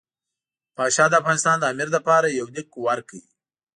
پاشا د افغانستان د امیر لپاره یو لیک ورکړ.